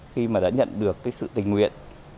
khi mà đã nhận được sự tình nguyện